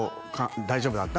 大丈夫だった？